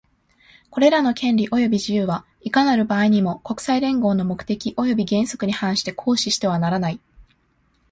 これらの権利及び自由は、いかなる場合にも、国際連合の目的及び原則に反して行使してはならない。